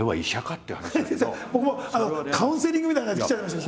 僕もカウンセリングみたいな感じで来ちゃいました。